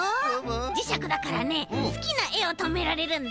じしゃくだからねすきなえをとめられるんだ。